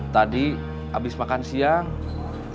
tadi abis makan siang